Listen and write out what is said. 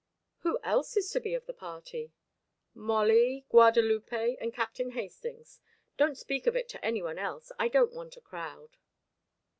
"Who else is to be of the party?" "Molly, Guadalupe, and Captain Hastings. Don't speak of it to any one else. I don't want a crowd."